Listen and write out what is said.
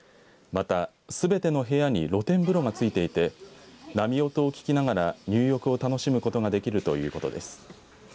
また、すべての部屋に露天風呂が付いていて波音を聞きながら入浴を楽しむことができるということです。